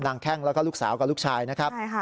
แข้งแล้วก็ลูกสาวกับลูกชายนะครับ